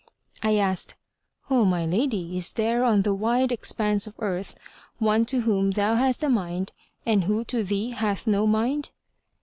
I asked, "O my lady, is there on the wide expanse of earth one to whom thou hast a mind and who to thee hath no mind?"